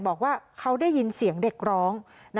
บอกว่าเขาได้ยินเสียงเด็กร้อง